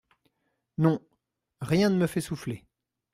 Non, rien ne me fait souffler.